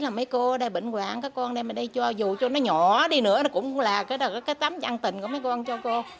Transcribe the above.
mấy cô ở đây bệnh quạng các con đem ở đây cho dù cho nó nhỏ đi nữa cũng là cái tấm chăn tình của mấy con cho cô